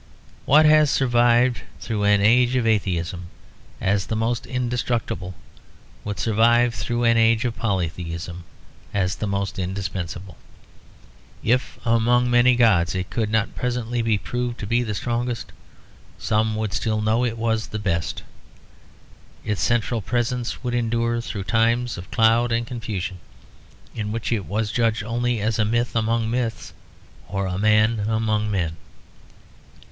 What has survived through an age of atheism as the most indestructible would survive through an age of polytheism as the most indispensable. If among many gods it could not presently be proved to be the strongest, some would still know it was the best. Its central presence would endure through times of cloud and confusion, in which it was judged only as a myth among myths or a man among men.